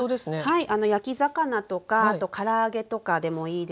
はい。